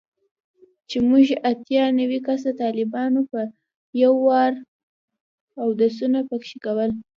چې موږ اتيا نوي کسه طلباو به په يو وار اودسونه پکښې کول.